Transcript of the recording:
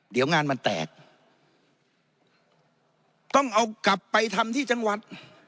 เดี๋ยวงานมันแตกต้องเอากลับไปทำที่จังหวัด